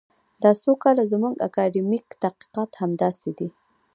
دا څو کاله زموږ اکاډمیک تحقیقات همداسې دي.